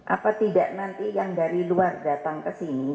apa tidak nanti yang dari luar datang ke sini